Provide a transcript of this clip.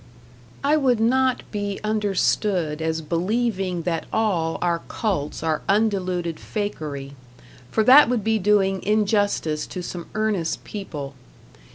I would not be understood as believing that all our cults are undiluted fakery, for that would be doing injustice to some earnest people.